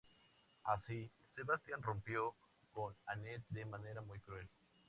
Así, Sebastian rompió con Anette de manera muy cruel.